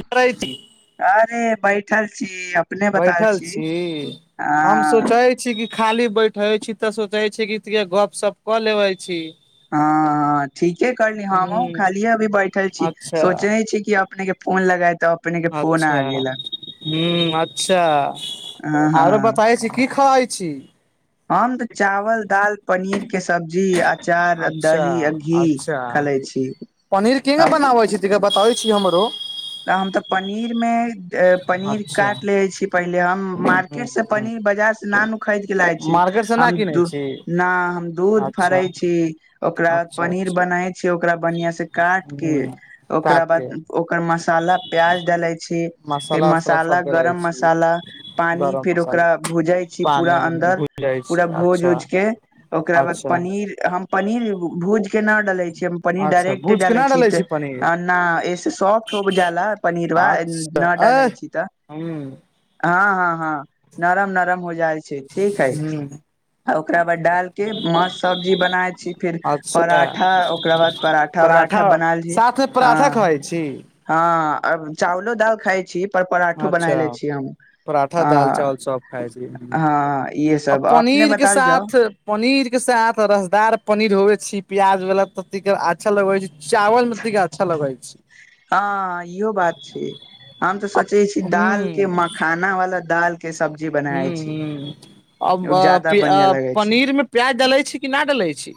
कर अरे बैठल छी अब बैठल छीइ हम हँ सोचै छै कि खाली बैठे छी तऽ सोचे छी कि गप सप कऽ लेवे छी हँ ठीके कइली, हमहुँ ह खालिये अभी बैठल छी। अच्छा सोचय छी कि अब अपने के फोन लगाय तौ अच्छा हूँ अच्छा हँ आरो हँ बताैये छी की खहइ छै हम तऽ चावल दाल पनीरके सब्जी आ अचार अच्छा दही घी अच्छा खलै छी पनीर बनाबै छै बताबै छीये हमरो तऽ हम तऽ पनीरमे पनीर अच्छा कायटि लै छीये पहिले हम्म हूँ मार्केटसे हूँ पनीर बजारसे नानू खरीदके लाबै छी मार्केट से नहि हम्म किनै दूऽ छी ना हम्म दूध अच्छा फाड़ै छी ओकरा अच्छा पनीर अच्छा बनाई छी ओकरा बढ़िया सें काट के ह ओकरा काट बाद के ओकर मस ला प्याज डलैे छी फिर उसाला मसाला सब डलाइ गरम छी मसाला पानी गरम फिर मसाला ओकरा भूजै छी पूरा पानी उनी अन्दर भुजै पूरा छी भोज अच्छा उज के ओकरा बाद अच्छा पनी नीर हम पनीर भूयज के नै डले छीयै पनीर अच्छा डायरेक्टे भूज के डाले ना छी डालै त पनीर आ न एय स सॉप्ट हो जाला पनीरबा अच्छा न अ डालै छी तऽ हूं हँ हँ हँ नरम - नरम हो जाइ छै ठीक है हूं ओकरा बाद डायल के मस्स सब्जी बनाय छी फेर अच्छा पराठा ओकरा बाद पराठा - उराठा बनाइल जे साथ मे पराठा आं खाइ छी हँ अब चावलो दाल खाइ छी पर पराठो बनाय अच्छा लै छी हम पराठा आ दाल चावल सब खाइ छी हां ये सब आपने बताउ जाउ पनीरके साथ रसदार पनीर होवे छी प्याज वाला त अच्छा लगे छै चावल मे अच्छा लगै छ हँ इहो बात छै हम तऽ आ सोचै छी हूं दाल के मखाना वाला दाल के सब हूं हूं अब ज्यादा अ आ बढ़िया लगे छै पनीर मे प्याज डलै छी कि नै डलै छी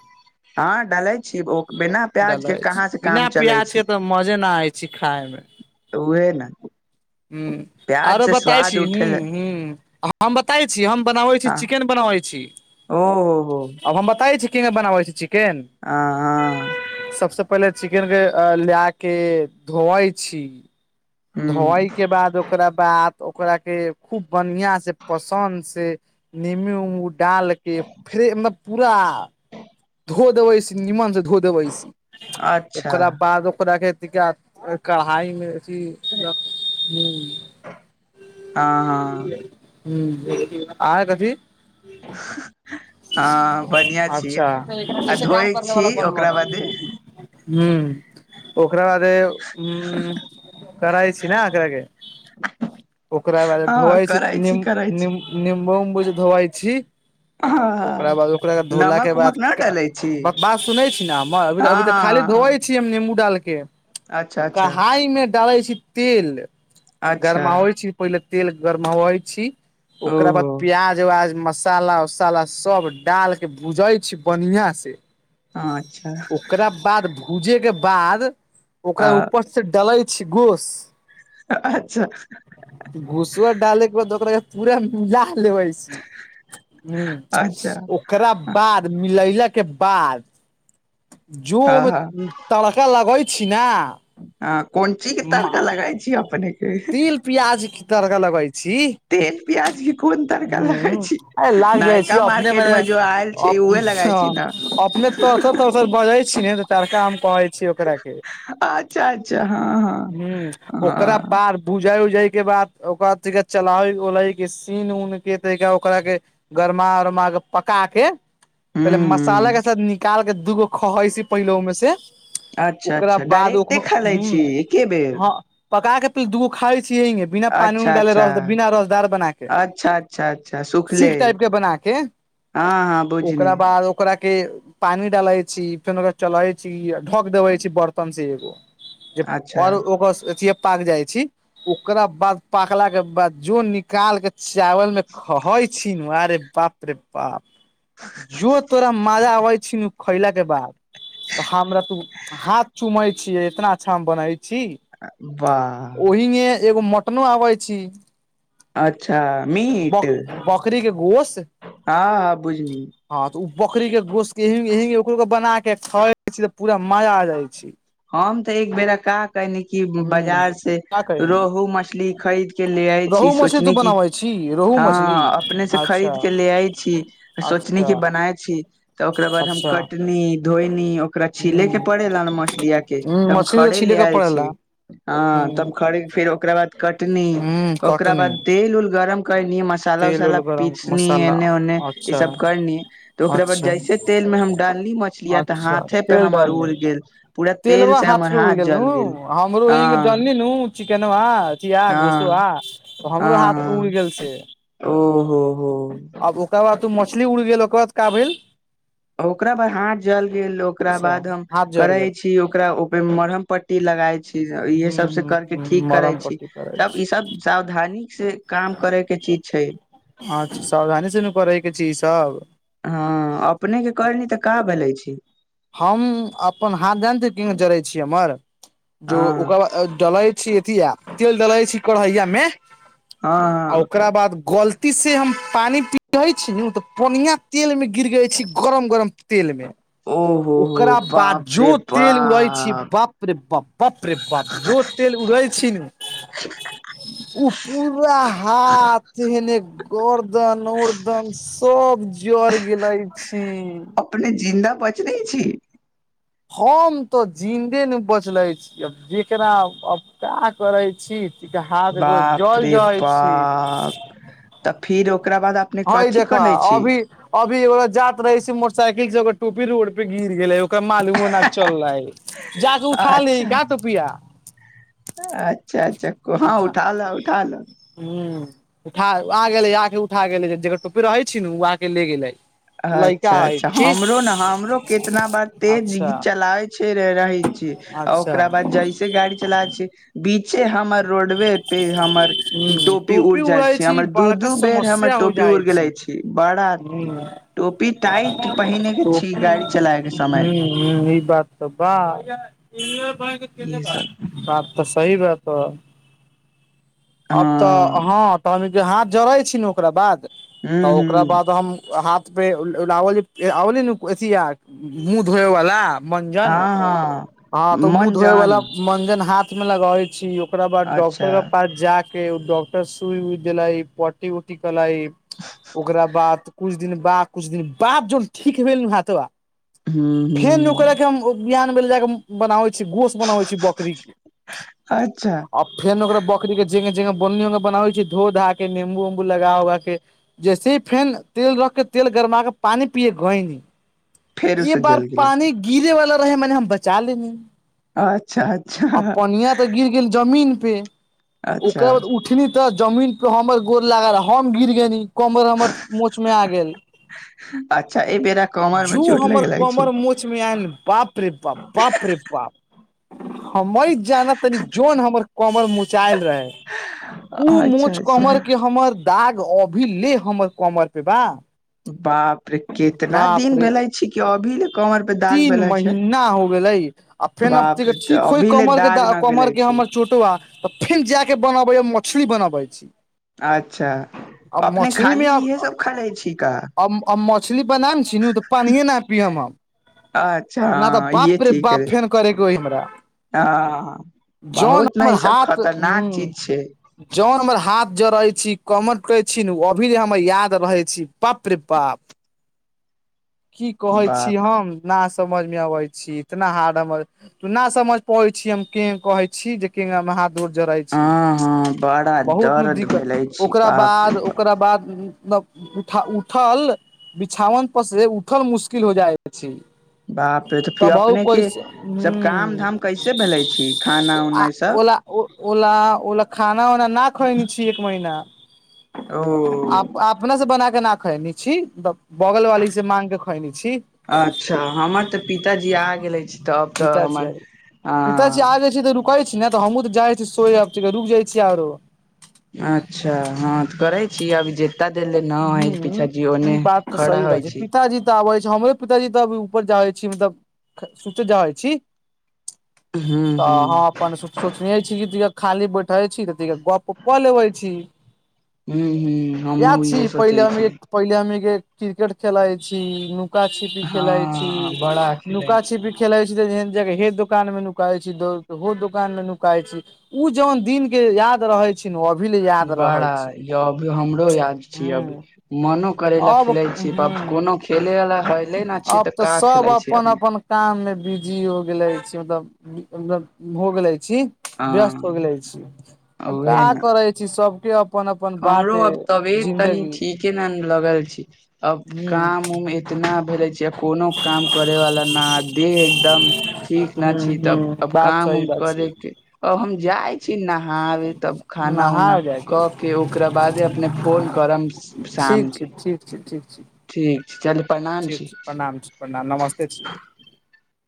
ह डालै छी ओ बिना प्याज के कहाँ से काम चलै से त मजे न आइ छै खाय मे उहे ने हू़ प्याज आरो से बताइ स्वाद छी उठे हूं ले हू हम बताय छी हम बनाबै छी ह चिकेन बनबै छी ओ हो हो आब हम बताय छी कीमे बनाबै छी चिकेन आ हं सबसे पहिले चिकेन के आ ल्याके धोवै छी धोवई ह के बाद ओकरा बाद ओकरा के खूब बनहिया से जे पसन्द से निम्मू उम्मू डालके फ्रेमे पूरा धो देबै सि नीम्मन से धो देबैसी अच्छा ओकरा बाद ओकरा के तय [unintelligible] हँ हँ हूं आय कथी [inaudible] हँ बनियाॅं छीये अच्छा आ जैसे काम धोए करने छी वाला कोनो ओकरा बना बादे हूं ओकरा बादे उन करइ छी न एकरा के [inaudible] ओकरा बादे हँ धोवइ छी करै निम्म करै - छी निम्म निम्बू - उम्बू जे धोवइ छी ओकरा हँ बाद ओकरा धोलाके नमक उमक बाद नहि क डालै छी बकबास सुनै छी न हम्मर अभी - अभी हँ तऽ हँ खाली हँ धोवै छी हम्म निम्बू डालके अच्छा अच्छा कहाई मे डाले छी तेल अच्छा गरमावइ छी पहिले तेल गरमैबई छी ओकरा बाद ओहो प्याज उ्याज मसाला उसाला सभ डाल के भूजै छि बनिआं से ह अच्छा ओकरा बाद भूजे के बाद ओकरा हँ ऊपर से डलै छि गोश अच्छा घूसा डाले के बाद ओकरा पूरा मिला लेबै अच्छा [inaudible] ओ करा हँ बाद मिलैला के बाद जो ओ हँ तड़का लगै छी न हँ कोन ची तारखा लगाइ छी अपने एक तेल प्याज क तरका लगाय छी तेल प्याज की कोन तरका लगाय ह छी अरे लाग जाइ छी नयका अपने मार्केट मने में जो आयल छै उहे लगाइ छी ने अपने तोसर तोसर बजै छी ने त तड़का हम कहै छी ओकरा के अच्छा अच्छा हँ हँ हँ बुजाइ उजा के बाद ओकरा त चला उलाय के सन उन के तरिका ओकरा के गरमा उरमा के पका के पहिले हूँ मसाला हूँ के साथ निकालके दूगो खै छी पहिल वोय मे से अच्छा ओकरा अच्छा बाद ओ डायरेक्टे खा लै छी एके बेर ह ह पका के भी दूगो खाय छियैें बिना पानी उनी अच्छा डाले अच्छा र बिना रसदार बना के अच्छा अच्छा अच्छा सुखले सील टाइप के बना के हँ हँ बुझ न ओकरा बाद ओकरा के पानी डालै छी फेन ओकरा चलबै छी ढक देबै छी बर्तन से एगो जे अच्छा आओर ओकरिय पाक जाय छै ओकरा बाद पाक बाद जो निकालके चावल मे छी न आरे बाप रे बाप जो तोरा मजा आबै छी न उ खैलाक के बाद तऽ हमरा तू हाथ चुमै छियै इतना अच्छा हम बनै छी बाह ओहिमे एगो मटनो आबै छी अच्छा मीट बक बकरी के गोश्त हँ हँ बुझनी हँ तऽ ओ बकरी के गोश्त केो के बना के खाे छी त पूरा मजा आ जाइ छै हम तऽ एक बेरा क क न कि हूँ बाजार से का कहना रोहु मछली खरीद के ले आय छी रोहु मछली तू सोचनी क बनाबै छी रोहु मछली हँ अपने अच्छा खरीद के ले आय छी सोचनी अच्छा क बनाय छी तऽ ओकरा बाद हम अच्छा ह कटनी धोईल ओकरा छीले के पड़े ल मछली ह त मछली तऽ खड़े छिले ले के आयल पड़ेला छी ह त ओकरा बाद कटनी ह ओकरा कटनी बाद तेल उल गरम कयनी कर मसाला तेल उसाला उल गरम पीसनी मसाला एने ओने ई अच्छा सब करनी तऽ ओकरा बाद अच्छा जइसे से तेल मे हम डालली मछली तऽ अच्छा हाथे पे हमर उड़ि गेल पूरा तेल ब से हाथ हमर पे उड़ि गेल जल हमरो हँ डनल न चिकेनबा तऽ हँ हमरो हाथ मे उड़ गेल छै ओहो हो आब ओकरा बाद तू मछली उड़ गेल ओकर बाद का भेल ओकरा बाद हाथ जलि गेल ओकरा अच्छा बाद हम हाथ जड़ करै गेल छी ओकरा ओहिप मरहम पट्टी लगाइ छी इएहे हूँ सभसँ हूँ करके हूँ ठीक मरम करैत छी पट्टी करै तब इ छी सब सावधानी से काम करैके चीज छै हँ सावधानी से न करैके छै इसब हँ अपने के करली तऽ का भेललै छी हम अपन हाथ जानत किंग जरै छियै हमर जो हँ ओकर बाद डलै छी अथी तेल डलै छी कढ़ैया मे हँ हँ आ ओकरा बाद गलती से हम पानी पियै छी नु त पनिया तेल मे गिर गय छी गरम गरम तेल मे ओहो हो ओकरा बाद बाप जो रे तेल उड़ै छै बाप बाप रे बाप बाप रे बाप जो तेल उगै छी ने ओ पूरा हाथ हने गोरदन उर्दन सब जर गेलै छी अपने जिन्दा पच नै छी हम तऽ जिन्दे नै बचलैत छी जकरा अपका करैत छी तीका हाथ गो बाप जल रे जहै छी बाप तऽ फिर ओकरा बाद अपने हई कथी देख करै छी अभी अभी ओ जात रहै छै मोटरसाइकिल से ओकर टोपी रोडे गिर गेलै ओकरा मालूमोना चललै जाक उठा लेहे अच्छा का टोपिया अच्छा अच्छा हँ उठा ल उठा ल हू उठा आ गेले आके उठा गेले जेकर टोपी रहे छै न ओ आके ले गेले अच्छा अच्छा हमरो न हमरो कितना बार तेज अच्छा चलाबै छै रहै छीय आ अच्छा ओकरा बाद जैसे गाड़ी चलाबै छिय बीचे हमर रोडवे पे हमर हूं टोपी उड़ जाय उड़ै छी हमर दू बड़का दू बेर हम समस्या हो टोपी उड़ जाइ गेलै छी बड़ा हूं टोपी टाइट पहिने के छी गाड़ी चलाय के समय हू ई बात तऽ बात इहे सब बात तऽ सही बात तऽ अब तऽ हँ हँ तऽ हम हाथ जड़ै छी ने ओकरा बाद हूं तऽ ओकरा हूं बाद हम हाथ आलीथी मुह धोए वाला [unintelligible] मञ्जंन हँ हँ हँ तो मुह मन धोए जान वला मञ्जंन हाथ मे लगावे छी ओकरा बाद अच्छा डॉक्टर के पास जा डॉकटर सुइ उइ देलै पटी उटी कलै ओकरा बाद कुछु दिन बा कुछ दिन बाद जोल ठीक भेल ह तो हँ हँ ओकरा के बिहान भेल जाक बनाबे छी घोस बनावे छी बकरी के अच्छा आ फेन ओकरा बकरी के जंगे जंगे बनी उ बना होइ छै धो धा के नेम्बू उमबू लगा उगा के जैसे ही फेन तेल रख के तेल गरमा के पानि पियए गयनी फेर उ ई से बार जल गेलक पानि गिरे वाला रहै मने हम बचा लेलियै अच्छा आ अच्छा पोनिया तऽ गिर गेल जमीन पे ओकरा अच्छा बाद उठनी त जमीन प हमर गोर लागल हम गिर गेली कमर हमर मोच मे आ गेल अच्छा ई बेड़क जू हमर कमर मोछ मे आयल बाप रे बाप बाप रे बाप हमई जाना तनी जोन हमर कमर मुचायल रहै ओ अच्छा मोछ कमर अच्छा के हमर दाग अभी ले हमर कमर पे बा बाप रे कितना बाप दिन रे भेलै तीन महीना हो गेलै आ फेन अब बाप रे तऽ ठीक होय अभी ले कमर के दाग द न कमर गेले के छी हमर चोटवा तऽ फेन जाकऽ बनाबैया मछली बनाबै छी अच्छा। आ अपने मछलीमे खाली इहे सब खा ले छी का मछली बनाब छी तऽ पानि न पिय हम अच्छा नहि तऽ हँ ये बाप रे ठीक है बाप फेन करेके ओ हमरा हँ जौन बहुत ने हमर ई सब हाथ खतरनाक चीज छै जौन हमर हाथ ज रहै छै कमट कहै छी अभी हमर याद रहै छी बाप रे बाप कि कहै छी बाप हम न समझ मे अबै छी इतना हार्ड हमर। [unintelligible] न समझ पादे छै की हमरा हाथ हँ हँ बड़ा बहुत दर्द दिक्कत भेले छी ओकरा बाप रे बाद ओकरा बाद मतलब उठ उठल बिछावन पर से उठके उठल मुश्किल हो जाइत छै। बाप रे त फिर अपने के सभ काम हूँ धाम कैसे भेले छी खाना आ उना ई सभ ओला ओला ओला खाना उना नहि खइने छी एक महिना ओ अपना से बना कऽ ना खेने छी बगल वाली से माग कऽ खेने छी अच्छा हमर तऽ पिताजी आ गेलैथ अछि तब तऽ पिताजी हमर कहै छी ने तऽ हमूँ जाइ छी सोय आब रुकि जाइ छी आरो अच्छा हँ तऽ करै छी अभी ज हूँ ई बात तऽ सही बात छै [unintelligible] पिताजी आबै छै हमरे पिताजी तऽ ऊपर हूँ त हूँ हाँ अपन सोचने छी कि त खाली बैठै छी त गप कऽ लेबै छी हू हू। इएह छी पहिले हम पहिले हम क्रिकेट खेलाइ छी नू नुका छिपी खेलाइ छी हँ बड़ा खेलै नुका छी छिपी खेलाइ छी तऽ दोकानमे नुकाइ छै दौर के ओ दोकानमे नुकाइत छी ओ जन दिन के याद रहैत छै अभी लेय बड़ा य हमरो याद छीयै अभी हूँ। मनो करे छै अब खेले हूँ तऽ, खेले वाला हेले नहि छैय अब तऽ कऽ सब खेला छै अपन अपन काम मे बिजी हो गेले छी मतलब मतलब होगइल छी व्यस्त भ हँ गेले छी आब की उहे न करै छी सभके अपन अपन हमरो बाटे अब तनी जिन्दगी ठीके ने लगल छी अब हूँ काम उम एतना भेले छै जे कोनो काम करै वाला ने देह एकदम ठीक ह नै छी तब ह अब बात काम सही उम बात छै करेके अब हम जाइ छी नहाबे तब खाना नहा उना जायके क के ओकरा बादे अपने फोन करब ठीक शाम छी के ठीक छै, ठीक छै। ठीक छै चलू। ठीक छै, प्रणाम छी प्रणाम नमस्ते।